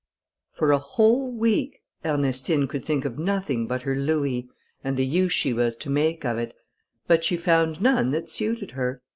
For a whole week, Ernestine could think of nothing but her louis, and the use she was to make of it, but she found none that suited her.